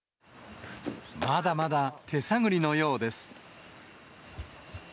まだまだ手探りのようです。